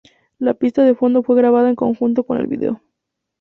La pista de fondo fue grabada en conjunto con el video.